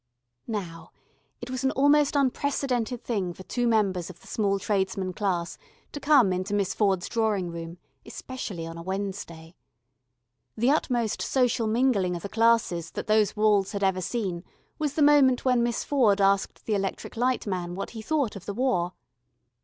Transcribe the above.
Now it was an almost unprecedented thing for two members of the small trades man class to come into Miss Ford's drawing room, especially on a Wednesday. The utmost social mingling of the classes that those walls had ever seen was the moment when Miss Ford asked the electric light man what he thought of the war.